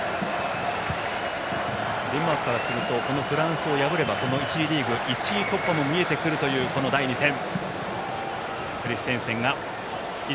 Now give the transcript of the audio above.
デンマークからするとフランスを破れば１次リーグ１位突破も見えてくるこの第２戦。